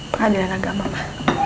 pengadilan agama ma